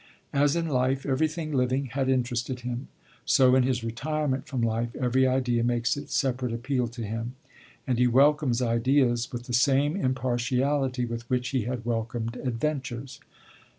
As in life everything living had interested him, so in his retirement from life every idea makes its separate appeal to him; and he welcomes ideas with the same impartiality with which he had welcomed adventures.